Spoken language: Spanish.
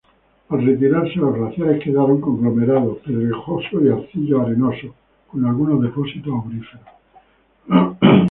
Al retirarse los glaciares quedaron conglomerados pedregosos y arcillo-arenosos, con algunos depósitos auríferos.